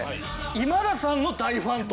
今田さんの大ファンと。